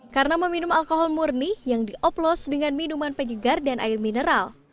karena meminum alkohol murni yang dioplos dengan minuman penyegar dan air mineral